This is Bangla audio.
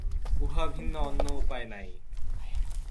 উহা ভিন্ন অন্য উপায় নাই।